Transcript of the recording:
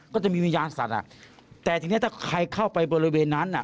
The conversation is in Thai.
ก็จะมีวิญญาณสัตว์อ่ะแต่ทีนี้ถ้าใครเข้าไปบริเวณนั้นอ่ะ